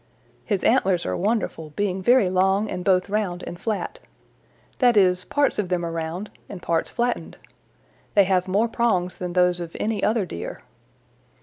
His antlers are wonderful, being very long and both round and flat. That is, parts of them are round and parts flattened. They have more prongs than those of any other Deer.